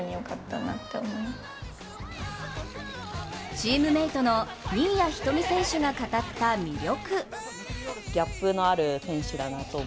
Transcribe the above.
チームメートの新谷仁美選手が語った魅力。